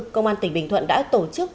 công an tỉnh bình thuận đã tổ chức